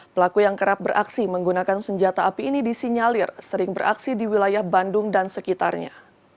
pelaku yang kerap beraksi menggunakan senjata api ini disinyalir sering beraksi di wilayah bandung dan sekitarnya